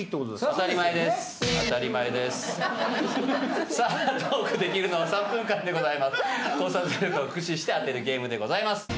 考察力を駆使して当てるゲームでございます。